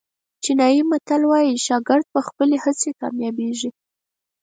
چینایي متل وایي شاګرد په خپلې هڅې کامیابېږي.